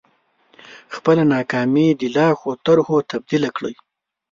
خپله ناکامي د لا ښو طرحو تبديله کړئ.